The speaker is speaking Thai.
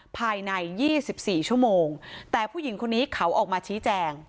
ภายใน๒๔ชั่วโมงแต่ผู้หญิงคนนี้เขาออกมาชี้แจง